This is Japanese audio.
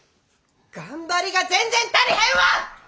頑張りが全然足りへんわ！